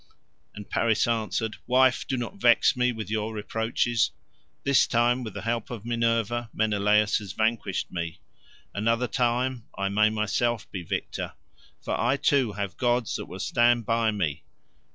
And Paris answered, "Wife, do not vex me with your reproaches. This time, with the help of Minerva, Menelaus has vanquished me; another time I may myself be victor, for I too have gods that will stand by me.